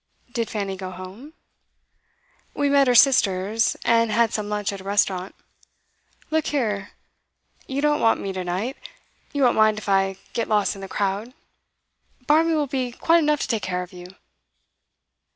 'Did Fanny go home?' 'We met her sisters, and had some lunch at a restaurant. Look here; you don't want me to night. You won't mind if I get lost in the crowd? Barmby will be quite enough to take care of you.